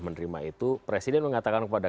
menerima itu presiden mengatakan kepada